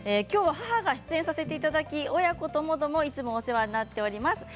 きょうは母が出演させていただき親子ともども、いつもお世話になっております。